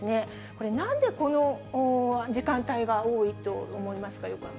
これ、なんでこの時間帯が多いと思いますか？